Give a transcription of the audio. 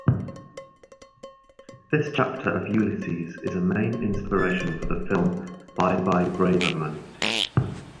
This chapter of "Ulysses" is a main inspiration for the film "Bye Bye Braverman".